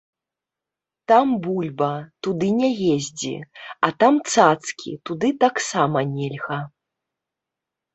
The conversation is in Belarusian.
Там бульба, туды не ездзі, а там цацкі, туды таксама нельга.